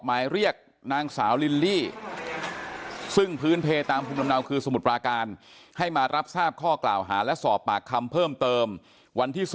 หมายเรียกนางสาวลิลลี่ซึ่งพื้นเพลตามภูมิลำเนาคือสมุทรปราการให้มารับทราบข้อกล่าวหาและสอบปากคำเพิ่มเติมวันที่๔